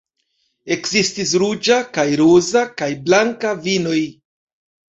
Ekzistis ruĝa kaj roza kaj blanka vinoj.